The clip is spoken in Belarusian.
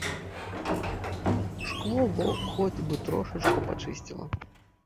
Шкло во хоць бы трошку пачысціла.